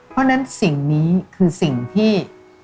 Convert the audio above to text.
เพราะฉะนั้นสิ่งนี้คือสิ่งที่